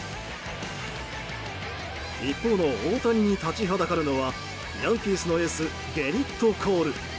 一方の大谷に立ちはだかるのはヤンキースのエースゲリット・コール。